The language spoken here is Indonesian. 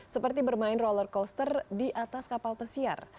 seperti bermain roller coaster di atas kapal pesiar